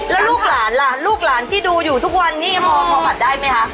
แล้วลูกหลานล่ะลูกหลานที่ดูอยู่ทุกวันนี้ยังพอบัตรได้ไหมคะ